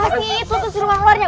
pasti itu tuh siluman ularnya